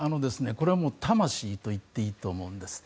これは魂と言っていいと思うんです。